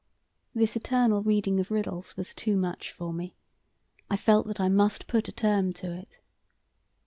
This eternal reading of riddles was too much for me. I felt that I must put a term to it.